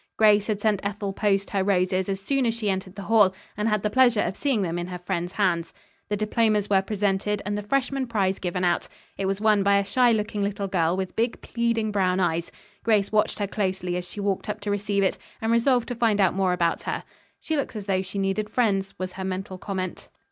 Grace had sent Ethel Post her roses as soon as she entered the hall, and had the pleasure of seeing them in her friend's hands. The diplomas were presented, and the freshman prize given out. It was won by a shy looking little girl with big, pleading, brown eyes. Grace watched her closely as she walked up to receive it and resolved to find out more about her. "She looks as though she needed friends," was her mental comment.